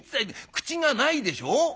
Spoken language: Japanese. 口がないでしょう？